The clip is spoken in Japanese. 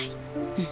うん。